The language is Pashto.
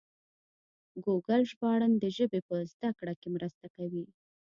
ګوګل ژباړن د ژبې په زده کړه کې مرسته کوي.